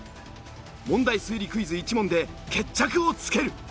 問題推理クイズ１問で決着をつける！